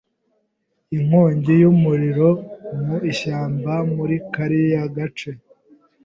Inkongi y'umuriro mu ishyamba muri kariya gace.